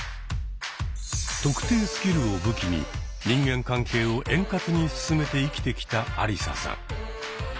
「特定」スキルを武器に人間関係を円滑に進めて生きてきたアリサさん。